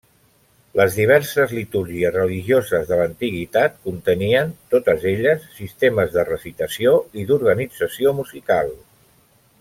Les diverses litúrgies religioses de l'Antiguitat contenien, totes elles, sistemes de recitació i d'organització musical.